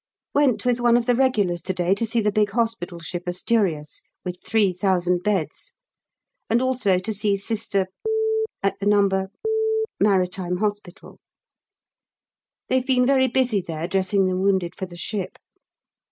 Went with one of the regulars to day to see the big hospital ship Asturias with 3000 beds, and also to see Sister at the No. Maritime Hospital. They've been very busy there dressing the wounded for the ship.